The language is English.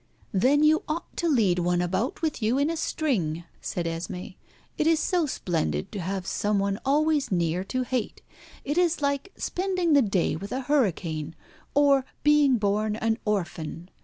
"Then you ought to lead one about with you in a string," said Esmé. "It is so splendid to have some one always near to hate. It is like spending the day with a hurricane, or being born an orphan.